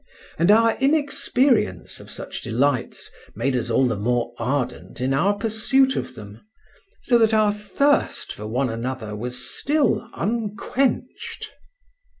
And our inexperience of such delights made us all the more ardent in our pursuit of them, so that our thirst for one another was still unquenched.